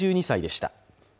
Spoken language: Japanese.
８２歳でした。